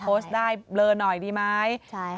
โพสต์ได้เบลอหน่อยดีไหม